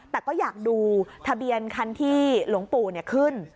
แต่ก็อยากดูทะเบียนคันที่หลวงปู่ขึ้น